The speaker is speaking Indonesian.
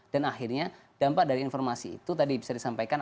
dan akhirnya dampak dari informasi itu tadi bisa disampaikan